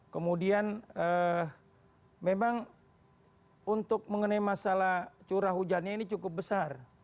kemudian memang untuk mengenai masalah curah hujannya ini cukup besar